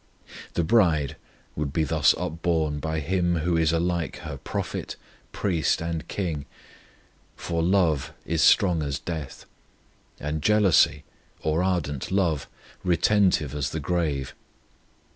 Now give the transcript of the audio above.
The bride would be thus upborne by Him who is alike her Prophet, Priest, and King, for love is strong as death; and jealousy, or ardent love, retentive as the grave.